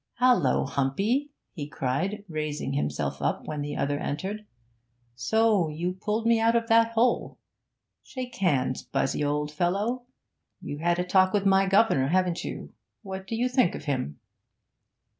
'Hallo, Humpy!' he cried, raising himself up when the other entered. 'So you pulled me out of that hole! Shake hands, Buzzy, old fellow! You've had a talk with my governor, haven't you? What do you think of him?'